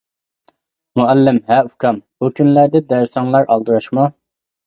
مۇئەللىم:-ھە ئۇكام، بۇ كۈنلەردە دەرسىڭلار ئالدىراشمۇ؟ !